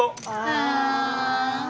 ああ！